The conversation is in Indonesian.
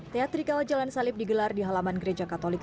teatrik jalan salib digelar di halaman gereja katolik